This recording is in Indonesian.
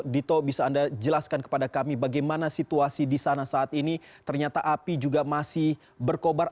dito bisa anda jelaskan kepada kami bagaimana situasi di sana saat ini ternyata api juga masih berkobar